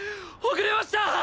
遅れました！